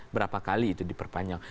berapa kali itu diperpanjang